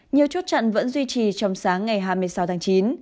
nhiều chốt chặn vẫn duy trì trong sáng ngày hai mươi sáu tháng chín